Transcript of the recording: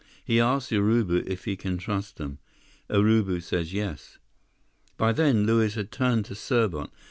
He asks Urubu if he can trust them. Urubu says yes." By then, Luiz had turned to Serbot.